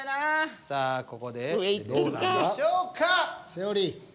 セオリー。